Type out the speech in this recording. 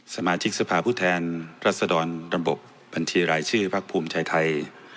สมาชิกสภาพผู้แทนรัศดรระบบบบัญชีรายชื่อพักภูมิใจไทย